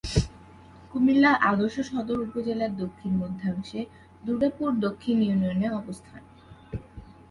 কুমিল্লা আদর্শ সদর উপজেলার দক্ষিণ-মধ্যাংশে দুর্গাপুর দক্ষিণ ইউনিয়নের অবস্থান।